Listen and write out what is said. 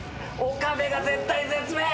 岡部が絶体絶命。